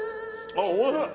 あっおいしい。